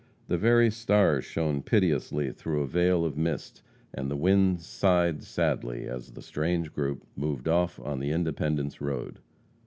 The very stars shone piteously through a veil of mist, and the winds sighed sadly as the strange group moved off on the Independence road.